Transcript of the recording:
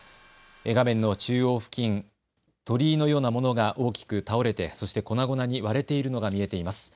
画面の中央付近、鳥居のようなものが大きく倒れてそして粉々に割れているのが見えています。